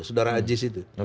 sudara ajis itu